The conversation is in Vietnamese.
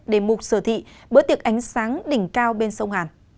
để mục sở thị bữa tiệc ánh sáng đỉnh cao bên sông hàn